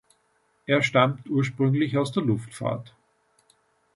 Es stammt ursprünglich aus der Luftfahrt.